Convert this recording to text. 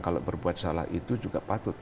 kalau berbuat salah itu juga patut